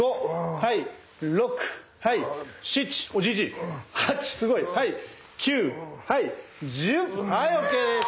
はいＯＫです。